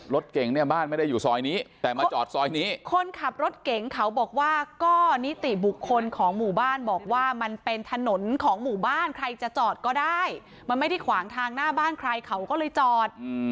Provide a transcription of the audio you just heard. รถเก่งเนี่ยบ้านไม่ได้อยู่ซอยนี้แต่มาจอดซอยนี้คนขับรถเก่งเขาบอกว่าก็นิติบุคคลของหมู่บ้านบอกว่ามันเป็นถนนของหมู่บ้านใครจะจอดก็ได้มันไม่ได้ขวางทางหน้าบ้านใครเขาก็เลยจอด